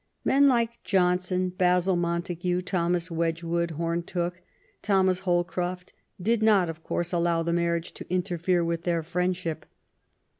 Men like Johnson, Basil Montague, Thomas Wedgwood, Home Tooke, Thomas Holcroft, did not, of course, allow the marriage to interfere with their friendship.